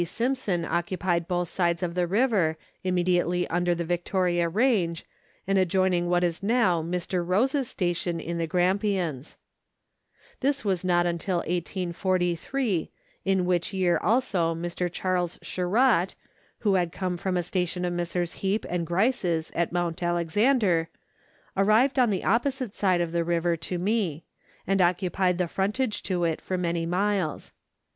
Simson occupied both sides of the river, immediately under the Victoria range, and adjoining what is now Mr. Rose's station in the Grampians. This was not till 1843, in which year also Mr. Charles Sherratt, who had come from a station of Messrs. Heape and Grice's at Mount Alexander, arrived on the opposite side of the river to me, and occupied the frontage to it for many miles.